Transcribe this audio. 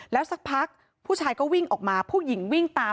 แล้วสักพักผู้ชายก็วิ่งออกมาผู้หญิงวิ่งตาม